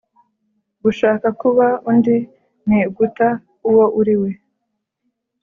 gushaka kuba undi ni uguta uwo uriwe.